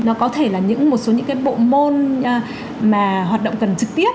nó có thể là những một số những cái bộ môn mà hoạt động cần trực tiếp